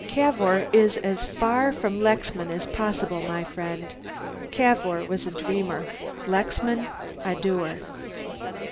"Cavour is as far from Lexman as possible, my friend. Cavour was a dreamer; Lexman, a doer."